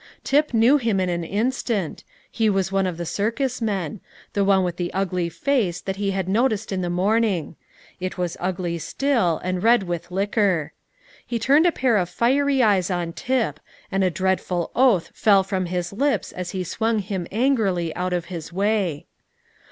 Tip knew him in an instant; he was one of the circus men, the one with the ugly face that he had noticed in the morning; it was ugly still, and red with liquor. He turned a pair of fiery eyes on Tip, and a dreadful oath fell from his lips as he swung him angrily out of his way.